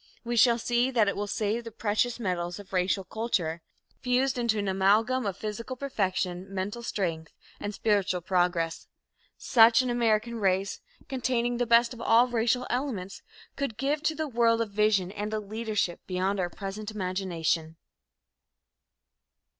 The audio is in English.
We shall see that it will save the precious metals of racial culture, fused into an amalgam of physical perfection, mental strength and spiritual progress. Such an American race, containing the best of all racial elements, could give to the world a vision and a leadership beyond our present imagination.